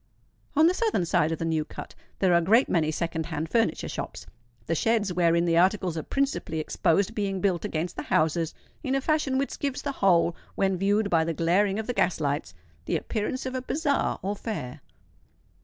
On the southern side of the New Cut there are a great many second hand furniture shops, the sheds wherein the articles are principally exposed being built against the houses in a fashion which gives the whole, when viewed by the glaring of the gas lights, the appearance of a bazaar or fair.